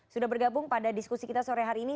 sudah bergabung pada diskusi kita sore hari ini